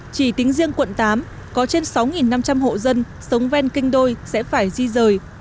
chỉ tính riêng quận tám có trên sáu năm trăm linh hộ dân sống ven kênh đôi sẽ phải di rời